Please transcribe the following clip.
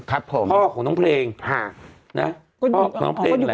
ครับผมพ่อของน้องเพลงฮะนะพ่อน้องเพลงนี่แหละ